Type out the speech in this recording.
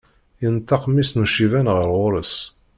Yenṭeq mmi-s n uciban ɣer ɣur-s.